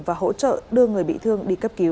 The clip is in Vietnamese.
và hỗ trợ đưa người bị thương đi cấp cứu